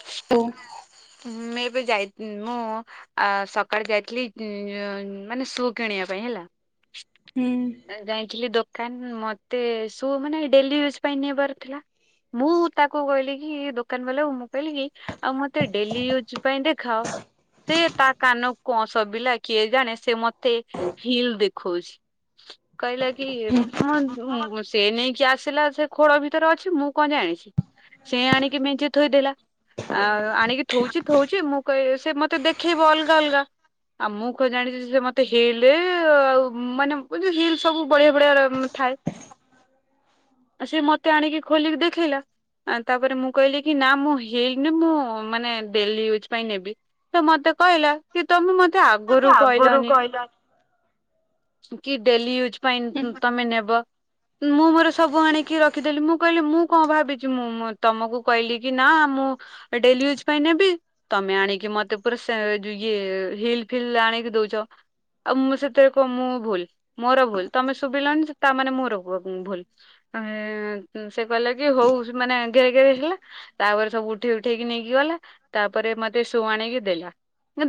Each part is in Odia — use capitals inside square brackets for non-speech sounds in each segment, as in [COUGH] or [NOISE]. [INAUDIBLE] ମେ ବି ଯାଇ ମୁଁ ସକାଳେ ଯାଇଥିଲି ମାନେ ସୁ କିଣିବା ପାଇଁ ହେଲା। ହୁଁ ଯାଇଥିଲି ଦୋକ କାନ ମତେ ସୁ ମାନେ ଡେଲି ୟୁଜ୍ ପାଇଁ ନେବାର ଥିଲା। ମୁଁ ତାକୁ କହିଲି କି ଦୋକାନ ବାଲା ମୁଁ କହିଲି କି ଆଉ ମତେ ତେ ଡେଲି ୟୁଜ ପାଇଁ ଦେଖାଅ। ସେ ତା କାନକୁ କଣ ସୋବିଲା କିଏ ଜାଣେ ସେ ମତେ ହିଲ ଦେଖଉଛି। କହିଲା କି ମ ଧୁନ ସେ ନେଇକି ଆସିଲା ସେ ଖୋଳ ଭିତରେ ଅଛି ମୁଁ କଣ ଯାଣିଛି ସେ ଆଣିକି ମେଞ୍ଚେ ଥୋଇଦେଲା ଆଉ ଆଣିକି ଥୋଉଛି ଥୋଉଛି ମୁଁ କହି ସେ ମତେ ଦେଖେଇବ ଅଲଗା ଅଲଗା ଆଉ ମୁଁ କଣ ଜାଣିଛି ଯେ ସେ ମତେ ହିଲେ ଆଉ ମାନେ ଯୋଉଁ ହିଲ୍ ସବୁ ବଢିଆ ବଢିଆ ଥାଏ। ସେ ମତେ ଆଣିକି ଖୋଲିକି ଦେଖେଇଲା। ଆ ତାପରେ ମୁଁ କହିଲି କି ନା ମୁଁ ହେଇନି ମୁଁ ମାନେ ଡେଲି ୟୁଜ୍ ପାଇଁ ନେବି ତ ମତେ କହିଲା କି ତମେ ମତେ ଆଗରୁ କହିଲନି। କି ଡେଲି ୟୁଜ ପାଇଁ ହୁଁ ତମେ ନେବ। ମୁଁ ମୋର ସବୁ ଆଣିକି ରଖିଦେଲି ମୁଁ କହିଲି ମୁଁ କଣ ଭାବିଛି ମୁଁ ତମକୁ କହିଲି କି ନା ମୁଁ ଡେଲି ୟୁଜ୍‌ ପାଇଁ ନେବି ତମେ ଆଣିକି ମତେ ପୁରା ସା ଇଏ ହିଲ୍‌ଫିଲ୍ ଆ ଆଣିକି ଦଉଛ ଆଉ ମୁଁ ସେଥିରେ କଣ ମୁଁ ଭୁଲ ମୋର ଭୁଲ ତମେ ଶୁଭିଲନି ତାମାନେ ମୋର ଭୁଲ ଏଁ ସେ କହିଲା କି ହଉ ମାନେ ଗେରେ ଗେରେ ହେଲା, ତାପରେ ସବୁ ଉଠେଇ ଉଠେଇକି ନେଇକି ଗଲା ତାପରେ ମତେ ଶୁଆଣିକି ଦେଲା,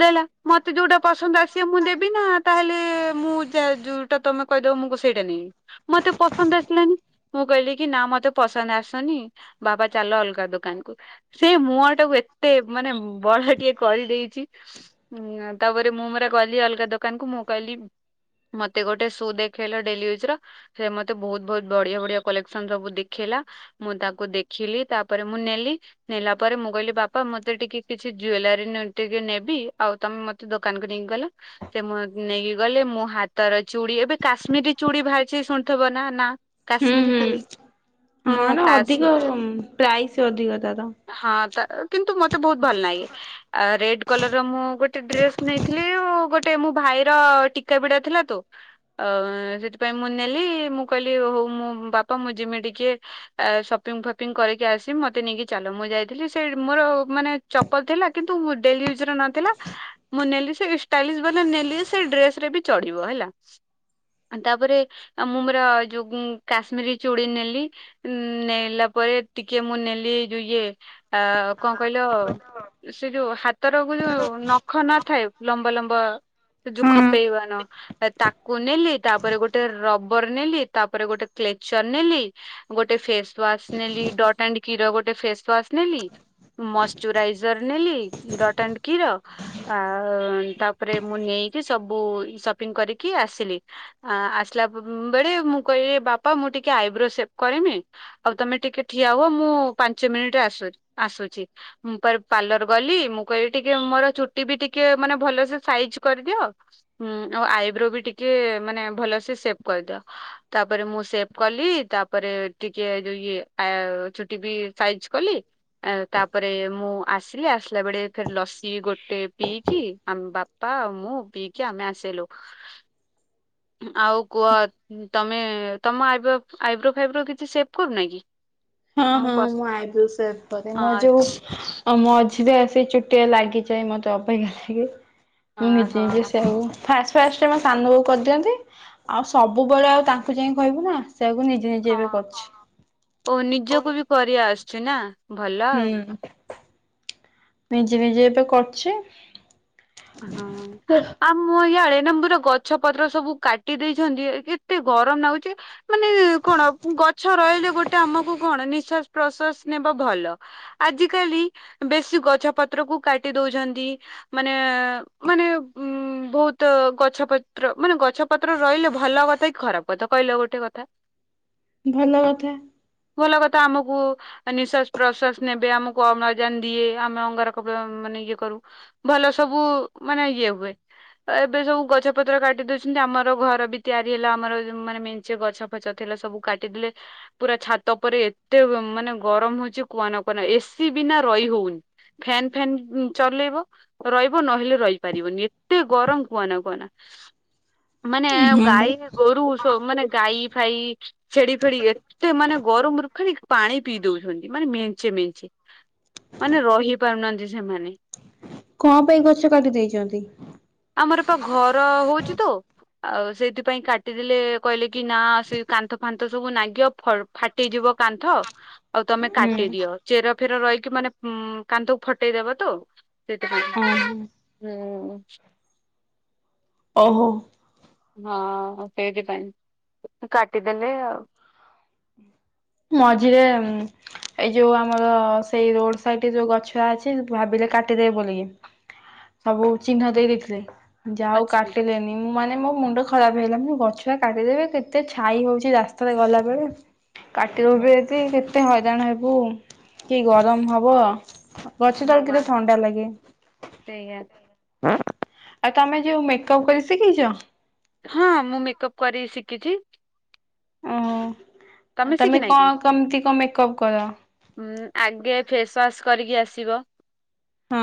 ଦେଲା ମତେ ଯୋଉଁଟା ପସନ୍ଦ ଆସିବ ମୁଁ ଦେବି ନା ତାହେଲେ ମୁଁ ଚାଲ ଯୋଉଁଟା ତମେ କହିଦବ ମୁ କଣ ସେଇଟା ନେଇନେବି। ମତେ ପସନ୍ଦ ଆସିଲାନି ମୁଁ କହିଲି କି ନା ମ ମତେ ପସନ୍ଦ ଆସୁନି ବାବା ଚାଲ ଅଲଗା ଦୋକାନ କୁ ସେ ମୁହଁ ଟାକୁ ଏତେ ମାନେ ବଡ ଟିକେ କରିଦେଇଛି ତାପରେ ମୁଁ ମୋର ଗଲି ଅଲଗା ଦୋକାନକୁ, ମୁଁ କହିଲି ମତେ ଗୋଟେ ସୁ ଦେଖେଇଲ ଡେଲି ୟୁଜ ର ସେ ମତେ ବହୁତ ବହୁତ ବଢିଆ ବଢିଆ କଲେକ୍ସନ ସବୁ ଦେ ଦେଖେଇଲା ମୁଁ ତାକୁ ଦେଖିଲି ତାପରେ ମୁଁ ନେଲି। ନେଲା ପରେ ମୁଁ କହିଲି ବାପା ମତେ ଟିକେ କିଛି ଜୁଏଲାରୀ ଟିକେ ନେବି ଆଉ ତମେ ମତେ ଦୋକାନକୁ ନେଇକି ଗଲ, ସେ ମତେ ନେଇକି ଗଲେ। ମୁଁ ହାତର ଚୁଡ଼ି ଏବେ କାଶ୍ମୀରୀ ଚୁଡ଼ି ବାହାରିଛି ଶୁଣିଥିବ ନା ନା ହୁଁ କାଶ୍ମୀରୀ ହୁଁ ଚୁଡି ମୁଁ ହଁ ନା କାସ ଅଧିକ ପ୍ରାଇସ୍ ଅଧିକ ତାର। ହଁ ତ କିନ୍ତୁ ମତେ ବହୁତ ଭଲ ଲାଗେ ରେ କଲର ମୁଁ ଗୋଟେ ଡ୍ରେସ ନେଇଥିଲି ଗୋଟେ ମୁ ଭାଇର ବିଡା ଥିଲା ତୁ ସେଥିପାଇଁ, ମୁଁ ନେଲି ମୁଁ, କହିଲି ହଉ ମୁଁ ବାପା ମୁଁ ଯେମିତି ଫି କରି ଆସି ମତେ ନେଇକି ଚା ମୁଁ ଯାଇଥିଲି ମୋ ଥିଲା କିନ୍ତୁ ଡ ନଥିଲା ମୁଁ ନେଇ ନେ ସେ ଡ୍ରେସରେ ଚଢିବ ହେଲା। ତାପରେ ମୁଁ ମୋର ଯୋଉ କାଶ୍ମିରୀ ଚୁଡି ନେଲି ନେଲା ପରେ ପରେ ଟିକେ ମୁଁ ନେଲି ଯୁଇଏ ଆ କଣ କହିଲ ସେ ଯୋଉ ହାତର ଯୋଉ ନଖ ନଥାଏ ଲମ୍ବ ଲମ୍ବ ସେ ଯୋଉ ହଁ। ଖପେଇବ ତାକୁ ନେଲି ତାପରେ ଗୋଟେ ରବର ନେଲି ତାପରେ ଗୋଟେ କ୍ଲେଚର ନେଲି ଗୋଟେ ଫେସ ୱା ନେଲି ଡଟଣ୍ଡ କିର ଗୋଟେ ଫେସୱା ନେଲି ମାଇଜର ନେଲି ଡଟ ଆଣ୍ଡ କି ର ଆ ତାପରେ ମୁଁ ନେଇ ସବୁ ସପିଂ କରିକି ଆସିଲି ଆସିଲା ବେଳେ ମୁଁ କହିଲି ବାପା ମୁଁ ଟିକେ ଆଇବ୍ରୋ ଆଉ ତମେ ଟିକେ ଠି ହ ମୁ ପାଞ୍ଚି ଗ ମୁଁ କହିବି ଟିକେ ମୋର ଚୁଟି ବି ଟିକେ ମାନେ ଭଲସ ସାଇଜ କରିଦିଅ ହୁଁ ଆଉ ଆଇବ୍ରୋ ବି ଟିକେ ମାନେ ଭଲସେ ସେଭ କରିଦିଅ, ତାପରେ ମୁଁ ସେଭ୍ କଲି ତା ତାପରେ ଟିକେ ଯଉ ଇଏ ଚୁଟି ବି ସାଇଜ କଲି ତାପରେ ମୁଁ ଆସିଲି ଆସିଲା ବେଳେ ଫର ଲସି ଗୋଟେ ପିଇଛି ଆମ ବାପା ହ ମୁଁ ପଇକି ଆମେ ଆସିଲୁ ଆଉ କୁହ ତମେ ତମ ଆଇବ୍ରୋ ଫାଇବ୍ରୋ କିଛି ସେଭ କରୁନା କି? ହଁ ହଁ ତମକୁ ପସ ମୁଁ ଆଇବ ସେପ ହଁ ମୋ ଯୋଉ ଅଛି। ଆଉ ମଁ ମଝ ବି ଆସି ଚୁଟିଆ ଲାଗିଯାଏ, ମତେ ଅପେକ୍ଷା ଲାଗି ମୁଁ ନିଜେ ଓହୋ ନିଜେ ସେ ଆଉ। ଫାଷ୍ଟ ଫାଷ୍ଟ ମୋ ସାନକୁ କରିଦିଅନ୍ତି, ଆଉ ସବୁବେଳେ ଆଉ ତାଙ୍କୁ ଯାଇ କହିବୁ ନା ସେୟକୁ ନିଜେ ନିଜେ ଏବେ ହଁ ଓ କରିଛି। ନିଜକୁ ବି କରି ଆସୁଚୁ ନା ଭଲ ହୁଁ ଆଉ। ନିଜେ ନିଜେ ଏବେ କରଛି ହଁ ଆ ମୁ ଏ ଲେମ୍ବୁ ର ଗଛ ପତ୍ର ସବୁ କାଟି ଦେଇଛନ୍ତି କେତେ ଗରମ ନାଗଉଛି ମାନେ କଣ ଗଛ ରହିଲେ ଗୋଟେ ଆମକୁ କଣ ନି ଶଵାସ ପ୍ରଶ୍ସ ନେବ ଭଲ ଆଜିକାଲି ବେଶୀ ଗଛ ପତ୍ର କୁ କାଟି ଦଉଛନ୍ତି ମାନେ ବହୁତ ଗଛ ପତ୍ର ମାନେ ଗଛ ପତ୍ର ରହିଲେ ଭଲ କଥା, କି ଖରାପ କଥା କହିଲ ଗୋଟେ କଥା ହ ଭଲ କଥା। ଭଲ କଥା ଆମକୁ ନିଶ୍ଵାସ ପ୍ରଶ୍ୱସ ନେବେ ଆମକୁ ଅମ୍ଳଜାନ ଦିଏ ଆମେ ଅଙ୍ଗାର କପା ମାନେ ଇଏ କରୁ ଭଲ ସବୁ ମାନେ ଇଏ ହୁଏ। ଏବେ ସବୁ ଗଛ ପତ୍ର କାଟି ଦଉଛନ୍ତି, ଆମର ଘର ବି ତିଆରି ହେଲା ଆମର ମାନେ ମେ ଗଛ ପଛ ଥିଲା ସବୁ କାଟିଦେଲେ ପୁରା ଛାତ ପରେ ଏତେ ମାନେ ଗରମ ହଉଚ କୁହ କୁହ ଏସି ବି ରହିଉନି ଫ ଫ ଚେଇ ରହିବ ନଲେ ରହିପାରିବନି ଏତେ ଗରମ କୁହନା କୁହନା ମାନେ ହଁ ବା ଗାଈ ଗୋରୁ ସବ ମାନେ ଗାଈ ଖାଇ ଛେଡି ଫେଡି ଏତେ ମାନେ ଗରମରୁ ଖାଲି ପାଣି ପିଇ ଦଉଛନ୍ତି ମାନେ ମେଞ୍ଚେ ମେଞ୍ଚେ ମାନେ ରହ କଣ ପାଇଁ ଗଛ କାଟି ଦେଇଛନ୍ତି ଆମର ଏ ପା ଘର ହଉଛି ତ ଆଉ ସେଇଥିପାଇଁ କାଟିଦେଲେ କହିଲେ କି ନା ସେ କାନ୍ଥ ଫାନ୍ଥ ସବୁ ନାଗିବ ଫାଟିଯିବ କାନ୍ଥ ଆଉ ତମେ ହୁଁ କାଟିଦିଅ ଚେର ଫେର ରହିକି ମାନେ କାନ୍ଧକୁ ଫଟେଇଦବ ତ ସେଇଥିପାଇଁ ଓହୋ ହୁଁ। ଓହ ହଁ ସେଇଥିପାଇଁ କାଟିଦେଲେ ଆଉ। ମଝିରେ ଏଇ ଯୋଉ ଆମର ସେଇ ରୋଡ ସାଇଡ ରେ ଯୋଉ ଗଛ ଅଛି, ଭାବିଲେ କାଟିଦେବେ ବୋଲିକି। ସବୁ ଚିହ୍ନ ଦେଇ ଦେଇଥିଲେ। ଯାହା ହଉ ଅଛି କାଟିଲେନି। ମାନେ ମୋ ମୁଣ୍ଡ ଖରାପ ହେଇଗଲା। ମୁଁ ଗଛଆ କାଟିଦେବେ କେତେ ଛାଇ ହଉଛି ରାସ୍ତାରେ ଗଲାବେେଳେ। କାଟିଦେବେ ଯଦି କେତେ ହଇରାଣ ହେବୁ କି ଗରମ ହବ। ହଁ ଗଛତଳ ବା କେତେ ଥଣ୍ଡା ଲାଗେ। ସେଇଆ ଆଉ ତମେ ଯେଉ ମେକଅପ କରି ଶିଖିଛ? ହଁ ମୁଁ ମେକଅପ କରି ଶିଖିଛି। ଓ ତମେ କଣ କେମିତି କଣ ମେକଅପ କର? ହଁ ଆଗେ ଫେସ ୱାସ କରିକି ଆସିବ। ହଁ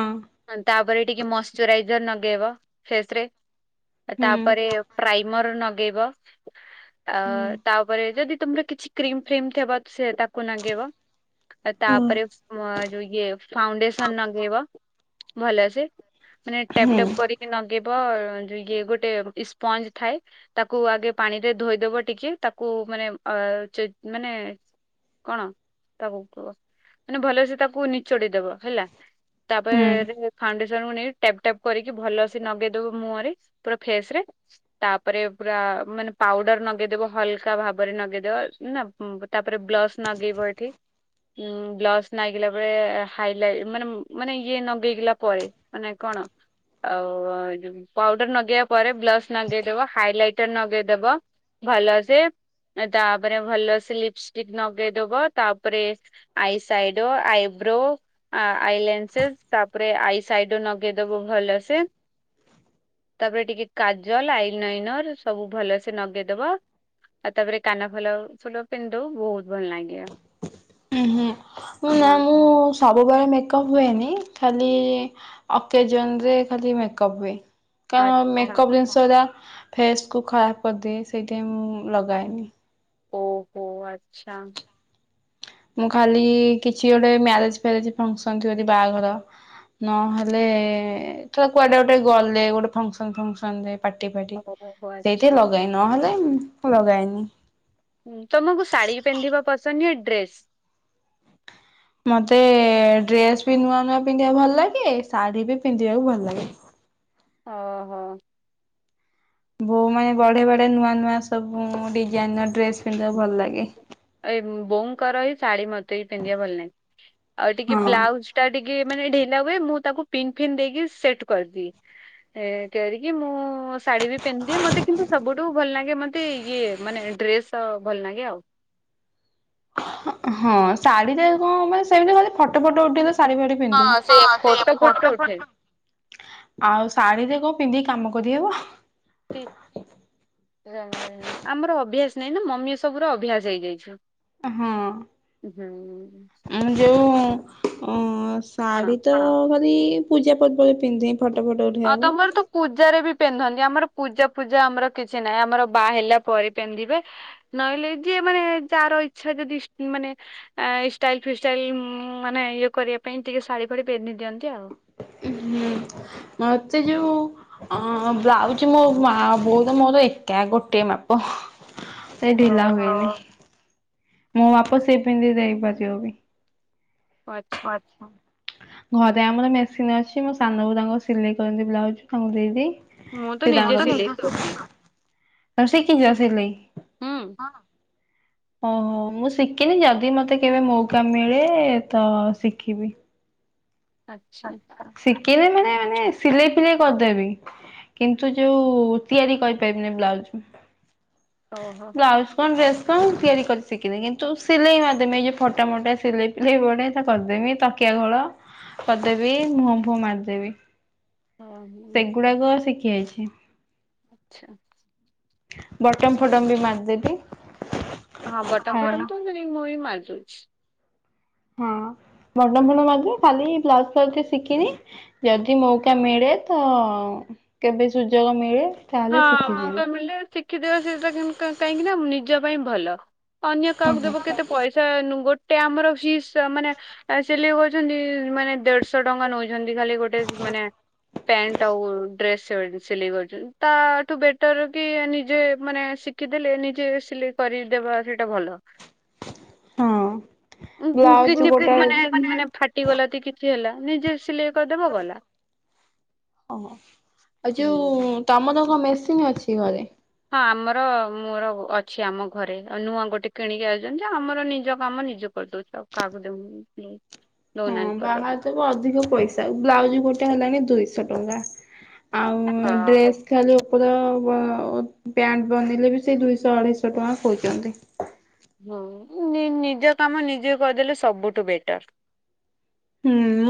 ତାପରେ ଟିକେ ମଇଶ୍ଚରାଇଜର ଲଗେଇବ ଫେସ ରେ। ହୁଁ ତାପରେ ପ୍ରାଇମର ନଗେଇବ। ଆ ତାପରେ ଯଦି ତମର କିଛି କ୍ରିମ ଫ୍ରିମ ସେ ତାକୁ ଲଗେଇବ। ହୁଁ ତାପରେ ଯଉ ଇଏ ଫାଉଣ୍ଡେଶନ ଲଗେଇବ ଭଲସେ। ମାନେ ଟପ ହୁଁ ଟ କରିକି ନଗେଇ ବ ଇଏ ଗୋଟେ ସ୍ପଞ୍ଜ ଥାଏ। ତାକୁ ଆଗେ ପାଣି ରେ ଧୋଇଦବ ଟିକେ ତାକୁ ମାନେ ଅ [UNINTELLIGIBLE] ମାନେ କଣ ତାକୁ ମାନେ ଭଲସ ତାକୁ ନିଚୋଡି ଦବ ହେଲା। ରେ ହୁଁ [UNINTELLIGIBLE] ଫାଣ୍ଡେସନ ଜଣକୁ ନେଇ ଟେପ ଟେପ କରିକି ଭଲ ସେ ନଗେଇଦବ ମୁହରେ ପୁରା ଫେସ ରେ ତାପରେ ପୁରା ମାନେ ପାଉଡର ନଗେଇଦବ ହଲକା ଭାବରେ ନଗେଇଦବ ନା ତାପରେ ବ୍ଲସ୍ ନଗେଇବ ଏଠି। ଉଁ ବ୍ଲସ ନାଗିଲା ବେଳେ ହାଇଲାଇଟ ମାନେ ମାନେ ଇଏ ନଗେଇଗଲା ପରେ ମାନେ କଣ? ଆଉ ପାଉଡର ନଗେଇବା ପରେ ବ୍ଲସ ନଗେଇଦବ, ହାଇଲାଇଟର ନଗେଇଦବ। ଭଲ ସେ ତାପରେ ଭଲ ସେ ଲିପଷ୍ଟିକ ନଗେଇଦବ। ତାପରେ eye side eyebrow eye lenses ତାପରେ ଆଇ ସାଇଡ ଲଗେଇଦବୁ ଭଲ ସେ। ତାପରେ ଟିକେ କାଜଲ ଆଇନାଇନର ସବୁ ଭଲସେ ନଗେଇଦବ। ଆଉ ତାପରେ କାନ ଫଲ ଫୁଲ ପିନ୍ଧିଦବୁ ବହୁତ ଭଲ ଲାଗିବ। ଉଂ ହୁଁ ମୁଁ ନା ହଁ ମୁଁ ସବୁବେଳେ ମେକ୍ କ ହୁଏନି ଖାଲି ଓକେଜନ ରେ ଖାଲି ମେକପ ହୁଏ। କଣ ଆଚ୍ଛା। ମେକଅପ ଜିନଷ ଯା ଫେସ କୁ ଖରାପ କରିଦିଏ ସେଥିପାଇଁ ମୁଁ ଲଗାଏନି। ଓହୋ ଆଚ୍ଛା। ମୁଁ ଖାଲି କିଛି ଗୋଟେ ମ୍ୟାରେଜ ଫ୍ୟାରେଜ ଫଙ୍କସନ ଥିବ ଯଦି ବାହାଘର ନହେଲେ ଥର କୁଆଡେ ଗୋଟେ ଗଲେ ଗୋଟେ ଫଙ୍କସନ ଫଙ୍କସନ ରେ। ପାଟି ଫାଟି ଓହୋ ସେଇଠି ଆଚ୍ଛା ଲଗାଏ ନହେଲେ ମୁଁ ଲଗାଏନି। ତମକୁ ଶାଢୀ ପିନ୍ଧିବା ପସନ୍ଦନା ଡ୍ରେସ୍? ମତେ ଡ୍ରେସ ବି ନୂଆ ନୂଆ ପିନ୍ଧିବାକୁ ଭଲ ଲାଗେ, ଶାଢୀ ବି ପିନ୍ଧିବାକୁ ଭଲ ଲାଗେ। ଓ ହୋ। ବୋ ମାନେ ବଢେ ବଢେ ନୂଆ ନୂଆ ସବୁ ଡିଜାଇନ ର ଡ୍ରେସ ପିନ୍ଧିବାକୁ ଭଲ ଲାଗେ। ଏଇ ବୋଉଙ୍କର ହିଁ ଶାଢୀ ମତେ ପିନ୍ଧିବା ଭଲ ନାହିଁ। ଆଉ ଟିକେ ହଁ। ବ୍ଲାଉଜ ଟା ଟିକେ ମାନେ ଢ଼ି ଲା ହୁଏ ମୁଁ ତାକୁ ପିନ ଫିନ୍ ଦେଇକି ସେଟ କରିଦିଏ। କରିକି ମୁଁ ମୋ ଶାଢ଼ୀ ବି ପିନ୍ଧିଦିଏ। ମତେ କିନ୍ତୁ ସବୁଠୁ ଭଲ ଲାଗେ ମୋତେ ଇଏ ମାନେ ଡ୍ରେସ୍ ତ ଭଲ ଲାଗେ ଆଉ। ହଁ ଶାଢୀରେ କଣ ମାନେ ସେମିତି ଫଟୋ ଫଟ ଉଠେଇ ଶାଢ଼ୀ ଫାଡି ହଁ ପିନ୍ଧୁନି। ସେଇଆ ଫଟୋ ଫଟୋ ଉଠେ। ଆଉ ଶାଢ଼ୀ ରେ ପିନ୍ଧିକି କାମ କରିହବ। ନାଇଁ ନା ମମି ଏସବୁର ଅଭ୍ୟାସ ହେଇଯାଇଛୁ। ଅ, ହଁ ମୁଁ ଯୋଉ ଅଁ, କଣ ଶାଢୀ ତ ଖାଲି ପୂଜା ପର୍ବ ରେ ପିନ୍ଧେ। ଫଟୋ ଫଟୋ ଆଉ ଉଠେଇବାକୁ। ତୋମର ତ ପୂଜାରେ ବି ପିନ୍ଧନ୍ତି। ଆମର ପୂଜା ଫୂଜା ଆମର କିଛି ନାହିଁ। ଆମର ବାହା ହେଲା ପରେ ପିନ୍ଧିବେ। ନହେଲେ ଯିଏ ମାନେ ଯାର ଇଚ୍ଛା ଯଦି ଇଷ୍ ମାନେ ଆ, ଷ୍ଟାଇଲ ଫିଷ୍ଟାଇଲ ଉଁ, ମାନେ ଇଏ କରିବା ପାଇଁ ଟିକେ ଶାଢ଼ୀ ଫାଢି ପିନ୍ଧି ଦିଅନ୍ତି ଆଉ। ହୁଁ, ମୋତେ ଯୋଉ ଅଁ, ବ୍ଲାଉଜୂ ମୋ ମା ବୋଉ ର ମୋର ଏକା ଗୋଟେ ମାପ। ସେଇ ଢିଲା ହଉ ହୁଏ। ମୋ ମାପ ସିଏ ପିନ୍ଧି ଦେଇପାରିବ ବି। ଓ ଆଚ୍ଛା। ଘରେ ଆମର ମେସିନ୍ ଅଛି ମୋ ସାନବୋଉ ତାଙ୍କ ସିଲେଇ କରନ୍ତି ବ୍ଲାଉଜ୍ ତାଙ୍କୁ ଦେଇଦିଏ। ମୁଁ ତ ନିଜେ ସିଲେଇ କରିଦିଏ। ତୋମେ ଶିଖିଚ ସିଲେଇ? ହୁଁ ଓହୋ, ମୁଁ ଶିକିନି ଯଦି ମୋତେ କେବେ ମଉକା ମିଳେ ତ ଶିଖିବି। ଆଚ୍ଛା ଶିକିନି ମାନେ ମାନେ ସିଲେଇ ଫିଲେଇ କରିଦେବି। କିନ୍ତୁ ଯୋଉ ତିଆରି କରିପାରିବିନି ବ୍ଲାଉଜ୍। ଓହୋ ହଁ ବ୍ଲାଉଜ୍ କଣ ଡ୍ରେସ୍ ତ ମୁଁ ତିଆରି କରି ଶିଖିନି। କିନ୍ତୁ ସିଲେଇ ମାରଦେମି ଏ ଯୋଉ ଫଟା ମଟା ସିଲେଇ ଫିଲେଇ ବଢିଆ ସେ କରିଦେମି। ତକିଆ ଆ ଖୋଳ କରିଦେବି। ମୁହଁ ଫୁହ ମାରିଦେବି। ଆଚ୍ଛା। ସେଗୁଡାକ ଶିଖି ଖି ଯାଇଛି। ଆଚ୍ଛା। ବଟମ ଫଟମ ବି ମାରିଦେବି। ହଁ ବଟମ୍ ଫଟମ ତ ସେଟି ମୁଁ ବି ମାର ଦଉଛି। ହଁ। ବଟମ୍ ଫଟମ ମାରଦିଏ। ଖାଲି ବ୍ଲାଉଜ୍ ଫ୍ଲାଉଜ ଟିକେ ଶିଖିନି। ଯଦି ମୌକା ମିଳେ ତ କେବେ ସୁଯୋଗ ମିଳେ। ତାହେଲେ ହଁ ଶିଖିଯିବି ମୌକା ମିଳିଲେ ଶିଖିଦେବା ସେଟା କିନ୍ କା କାଇଁକି ନା ଉଁ, ନିଜ ପାଇଁ ଭଲ। ଅନ୍ୟ କାହାକୁ ହଁ ଦେବ କେତେ ପଇସା ନୁ ଗୋଟେ ଆମର ହିସ୍ ସେ ମାନେ ଆ, ସିଲେଇ କର ଛନ୍ତି ମାନେ ଦେଢଶହ ଟଙ୍କା ନଉଛନ୍ତି ଖାଲି ଗୋଟେ ମାନେ ପ୍ୟାଣ୍ଟ ଆଉ ଡ୍ରେସ୍ ସିଲେଇ କରୁୁଚନ୍ତି। ତାଠୁ ବେଟର୍ କି ନିଜେ ମାନେ ଶିଖିଦେଲେ ନିଜେ ସିଲେଇ କରିଦେବା ସେଟା ଭଲ। ହଁ। ଉଁ, ହୁଁ, ବ୍ଲାଉଜ କିଛି ଗୋଟେ ମାନେ ମାନେ ଫାଟିଗଲା କି କିଛି ହେଲା ନିଜେ ସିଲେଇ କରିଦେବ ଗଲା। ଓ ହୋ ଆଉ ହୁଁ ଯୋଉ ତୋମର କ ମେ ସେ ଅଛି ଘରେ। ଆମର ମୋର ଅ-ଅଛି ଆମ ଘରେ ଅ, ନୂଆ ଗୋଟେ କିଣିକି ଆଇଚନ୍ତି ଯେ। ଆମର ନିଜ କାମ ନିଜ କରିଦଉଛୁ ଆଉ କାହାକୁ ଦେଉନି। ପ୍ଲେ ହଁ ବାହାରେ ତ ଅଧିକ ପଇସା। ବ୍ଲାଉଜ୍ ଗୋଟେ ହେଲାଣି ଦୁଇଶହ ଟଙ୍କା। ହଁ। ଆଉ ଡ୍ରେସ୍ ଖାଲି ଉପର ଗୋଡ ପ୍ୟାଣ୍ଟ ବନିଲେ ବି ସେ ଦୁଇଶହ ଅଢେଇଶହ ଟଙ୍କା କହୁଚନ୍ତି। ହଁ ନି- ନିଜ କାମ ନିଜେ କରିଦେଲେ ସବୁଠୁ ବେଟର୍। ହୁଁ, ମୁଁ